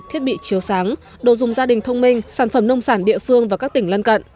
thiết bị chiếu sáng đồ dùng gia đình thông minh sản phẩm nông sản địa phương và các tỉnh lân cận